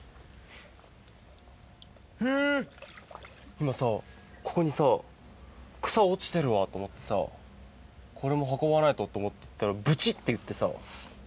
今ここに草落ちてるわと思ってこれも運ばないとって思ったらブチっていってさ。